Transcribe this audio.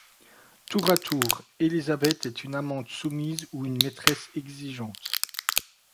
Tour à tour, Élisabeth est une amante soumise ou une maîtresse exigeante.